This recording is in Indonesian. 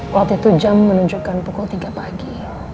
waktu itu jam menunjukkan pukul tiga pagi